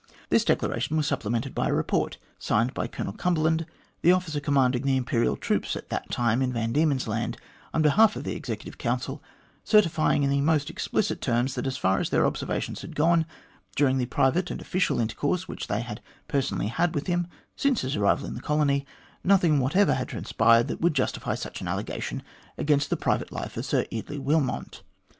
This declaration was supplemented by a report signed by Colonel Cumberland, the officer commanding the Imperial troops at the time in Van Diemen's Land, on behalf of the Executive Council, certifying in the most explicit terms that as far as their observations had gone during the private and official intercourse which they had personally had with him since his arrival in the colony, nothing what ever had transpired that would justify such an allegation against the private life of Sir Eardley Wilmot.